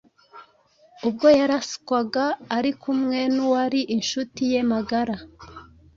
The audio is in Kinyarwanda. ubwo yaraswaga ari kumwe n’uwari inshuti ye magara